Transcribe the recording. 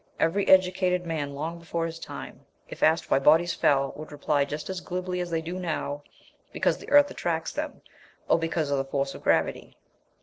Every educated man long before his time, if asked why bodies fell, would reply just as glibly as they do now, "Because the earth attracts them," or "because of the force of gravity."